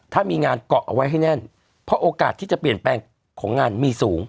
ถ้ามีงานเกาะเอาไว้ให้แน่นเพราะโอกาสที่จะเปลี่ยนแปลงของงานมีสูง